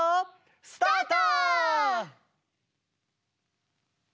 スタート！